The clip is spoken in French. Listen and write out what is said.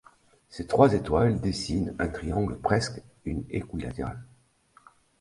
Ces trois étoiles dessinent un triangle presque équilatéral.